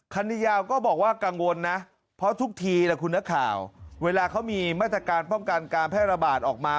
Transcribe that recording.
คณิยาวก็บอกว่ากังวลนะเพราะทุกทีล่ะคุณนักข่าวเวลาเขามีมาตรการป้องกันการแพร่ระบาดออกมา